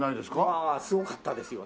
まあすごかったですよね。